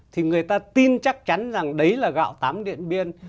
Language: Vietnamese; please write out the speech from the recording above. thì người ta tin chắc chắn rằng đấy là gạo tám điện biên